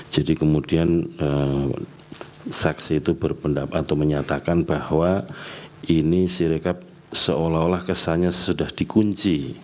kemudian saksi itu berpendapat atau menyatakan bahwa ini si rekap seolah olah kesannya sudah dikunci